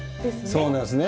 そうなんですね。